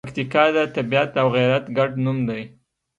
پکتیکا د طبیعت او غیرت ګډ نوم دی.